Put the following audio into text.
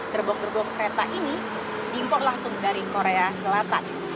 gerbong gerbong kereta ini diimpor langsung dari korea selatan